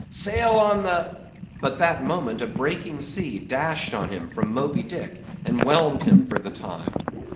—"Sail on the"—but that moment a breaking sea dashed on him from Moby Dick, and whelmed him for the time.